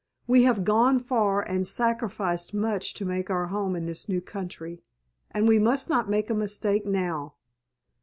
We have gone far and sacrificed much to make our home in this new country, and we must not make a mistake now.